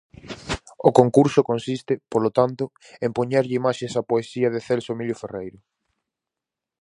O concurso consiste, polo tanto, en poñerlle imaxes á poesía de Celso Emilio Ferreiro.